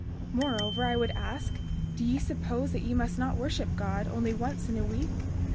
32:11 Moreover, I would ask, do ye suppose that ye must not worship God only once in a week?